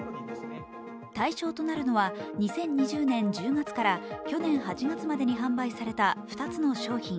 対象となるのは２０２０年１０月から去年８月までに販売された２つの商品。